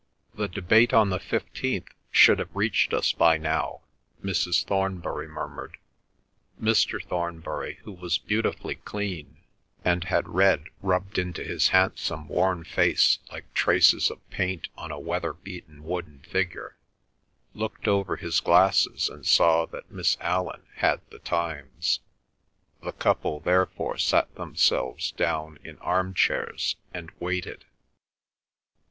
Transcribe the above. "The debate on the fifteenth should have reached us by now," Mrs. Thornbury murmured. Mr. Thornbury, who was beautifully clean and had red rubbed into his handsome worn face like traces of paint on a weather beaten wooden figure, looked over his glasses and saw that Miss Allan had The Times. The couple therefore sat themselves down in arm chairs and waited.